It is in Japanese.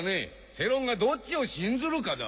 世論がどっちを信ずるかだ。